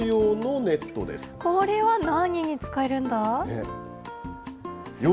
これは何に使えるんだ？